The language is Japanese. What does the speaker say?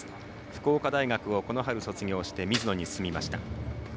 福岡大学をこの春卒業してミズノに進みました。